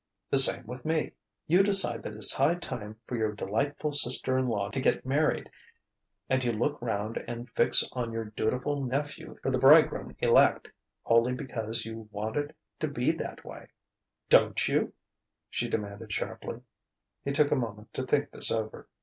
The same with me: you decide that it's high time for your delightful sister in law to get married, and you look round and fix on your dutiful nephew for the bridegroom elect wholly because you want it to be that way." "Don't you?" she demanded sharply. He took a moment to think this over.